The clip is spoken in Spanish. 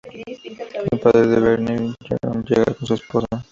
El padre de Barney, Jerome, llega con su esposa.